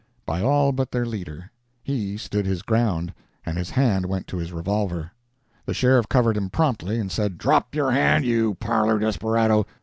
By all but their leader. He stood his ground, and his hand went to his revolver. The sheriff covered him promptly, and said, "Drop your hand, you parlor desperado.